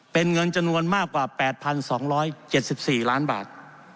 เป็นเงินจำนวนมากกว่า๘๒๗๔ล้านบาท